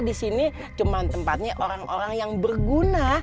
di sini cuma tempatnya orang orang yang berguna